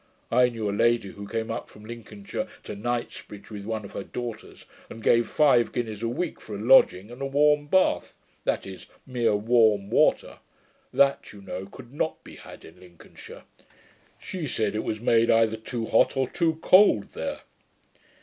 I knew a lady who came up from Lincolnshire to Knightsbridge with one of her daughters and gave five guineas a week for a lodging and a warm bath; that is, mere warm water. THAT, you know, could not be had in Lincolnshire! She said, it was made either too hot or too cold there.'